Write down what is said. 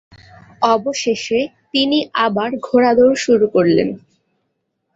অবশেষে তিনি আবার ঘোড়াদৌড় শুরু করলেন।